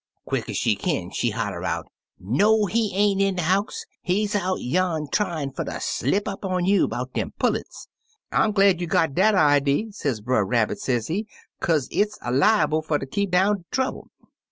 Quick ez she kin,' she holler out, 'No, he ain't in de house; he's out yan' tryin' fer ter slip up on you 'bout dem pullets/ * I 'm glad you got dat idee,' sez Brer Rabbit, sezee, * kaze it's liable fer ter keep down trouble.